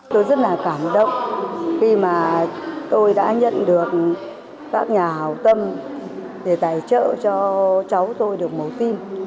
tôi rất là cảm động khi mà tôi đã nhận được các nhà hào tâm để tài trợ cho cháu tôi được màu tim